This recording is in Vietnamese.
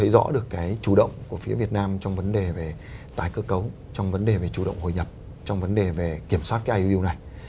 rõ được cái chủ động của phía việt nam trong vấn đề về tái cơ cấu trong vấn đề về chủ động hội nhập trong vấn đề về kiểm soát cái iuu này